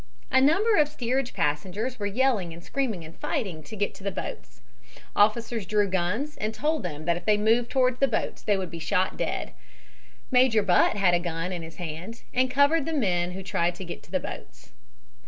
A number of steerage passengers were yelling and screaming and fighting to get to the boats. Officers drew guns and told them that if they moved towards the boats they would be shot dead. Major Butt had a gun in his hand and covered the men who tried to get to the boats.